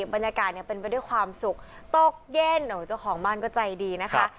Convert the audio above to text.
บรรยากาศเป็นไปด้วยความสุขตกเย็นเจ้าของบ้านก็ใจดีนะคะ